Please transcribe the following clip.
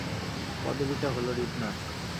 পদবিটা হল রিপনার।